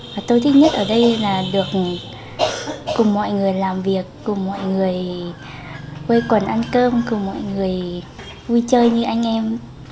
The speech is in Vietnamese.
và tôi thích nhất ở đây là được cùng mọi người làm việc cùng mọi người quây quần ăn cơm cùng mọi người vui chơi như anh em